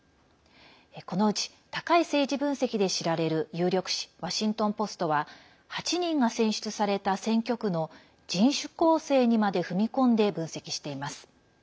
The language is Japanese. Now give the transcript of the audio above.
このうち高い政治分析で知られる有力紙ワシントン・ポストは８人が選出された選挙区の人種構成にまで踏み込んで分析しています。